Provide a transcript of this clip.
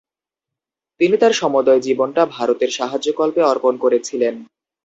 তিনি তাঁর সমুদয় জীবনটা ভারতের সাহায্যকল্পে অর্পণ করেছিলেন।